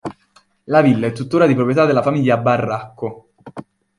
La villa è tuttora di proprietà della famiglia Barracco.